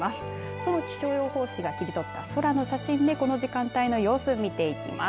その気象予報士が切り取った空の写真でこの時間帯の様子を見ていきます。